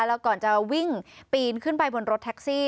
แล้วก่อนจะวิ่งปีนขึ้นไปบนรถแท็กซี่